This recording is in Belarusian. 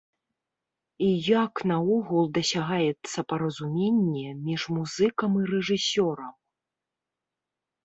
І як наогул дасягаецца паразуменне між музыкам і рэжысёрам?